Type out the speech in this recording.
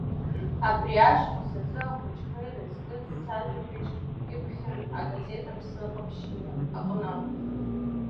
Абри ашықәс азы ахәыҷқәа ирызкыз сажәабжьк кьыԥхьын агазеҭ Аԥсны ҟаԥшь аҟны.